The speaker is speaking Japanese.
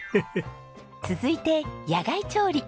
続いて野外調理！